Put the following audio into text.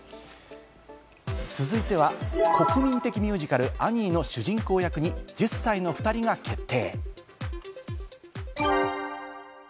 続いては国民的ミュージカル『アニー』の主人公役に１０歳の２人が決定。